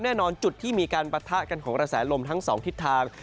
แน่นอนจุดที่มีการปะทะกันของกระแสลมทั้งสองทิศทาง